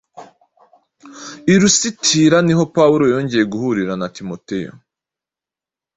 I Lusitira niho Pawulo yongeye guhurira na Timoteyo